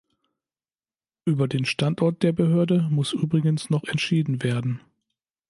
Über den Standort der Behörde muss übrigens noch entschieden werden.